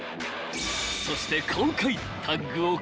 ［そして今回］